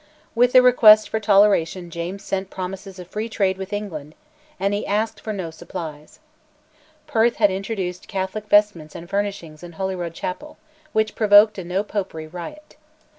With the request for toleration James sent promises of free trade with England, and he asked for no supplies. Perth had introduced Catholic vestments and furnishings in Holyrood chapel, which provoked a No Popery riot.